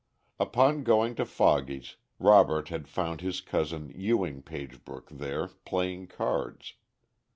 Upon going to Foggy's, Robert had found his cousin Ewing Pagebrook there playing cards.